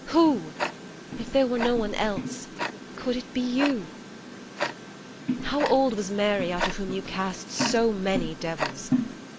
Who ?. If there were no one else, could it be You ? How old was Mary out of whom you cast So many devils